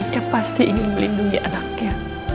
dia pasti ingin melindungi anaknya